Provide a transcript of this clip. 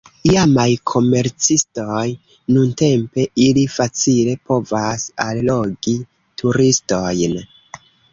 Iamaj komercistoj, nuntempe, ili facile povas allogi turistojn.